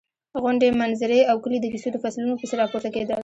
غونډۍ، منظرې او کلي د کیسو د فصلونو په څېر راپورته کېدل.